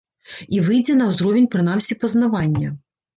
І выйдзе на ўзровень прынамсі пазнавання.